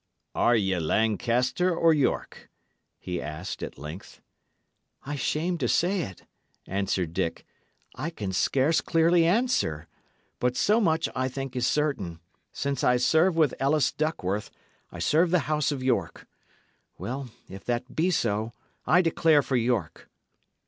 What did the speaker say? "Are ye Lancaster or York?" he asked, at length. "I shame to say it," answered Dick, "I can scarce clearly answer. But so much I think is certain: since I serve with Ellis Duckworth, I serve the house of York. Well, if that be so, I declare for York."